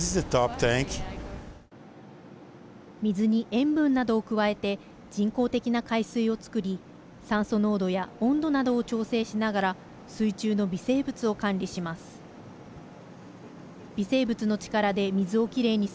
水に塩分などを加えて人工的な海水を作り酸素濃度や温度などを調整しながら水中の微生物を管理します。